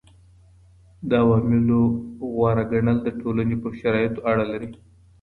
د عواملو غوره ګڼل د ټولني په شرايطو پوري اړه لري.